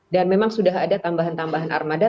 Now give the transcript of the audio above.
dan memang sudah ada tambahan tambahan armada